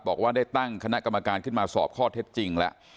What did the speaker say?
บอกว่าได้ตั้งคณะกรรมการขึ้นมาสอบข้อเท็จจริงแล้ว